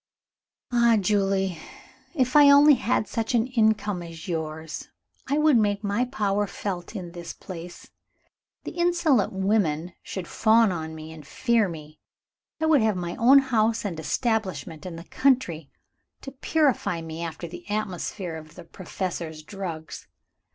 "Ah, Julie, if I only had such an income as yours, I would make my power felt in this place. The insolent women should fawn on me and fear me. I would have my own house and establishment in the country, to purify me after the atmosphere of the Professor's drugs.